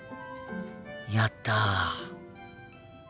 やった。